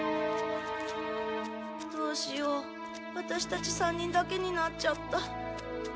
どうしようワタシたち３人だけになっちゃった。